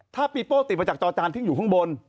ถ้าปีโป้ติดมาจากจอจานซึ่งอยู่ข้างบน